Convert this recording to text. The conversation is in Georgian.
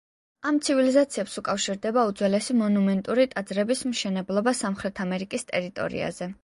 ამ ცივილიზაციებს უკავშირდება უძველესი მონუმენტური ტაძრების მშენებლობა სამხრეთ ამერიკის ტერიტორიაზე.